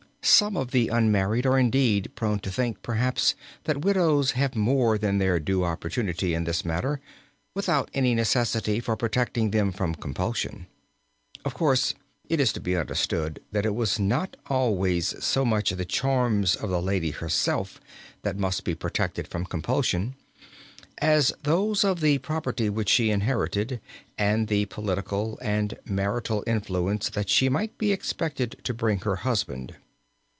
Some of the unmarried are indeed prone to think, perhaps, that widows have more than their due opportunity in this matter without any necessity for protecting them from compulsion. Of course it is to be understood that it was not always so much the charms of the lady herself that must be protected from compulsion, as those of the property which she inherited and the political and martial influence that she might be expected to bring her husband.